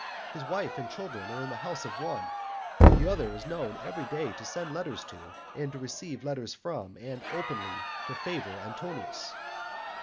His wife and children are in the house of one, the other is known every day to send letters to, to receive letters from, and openly to favour Antonius.